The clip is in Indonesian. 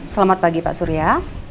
selamat pagi pak surya